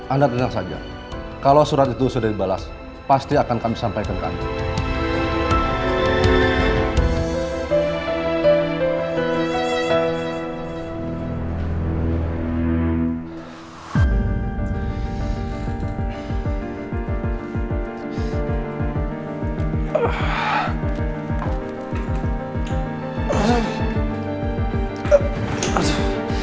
anda tenang saja kalau surat itu sudah dibalas pasti akan kami sampaikan ke anda